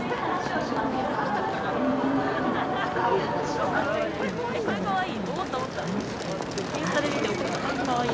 かわいい。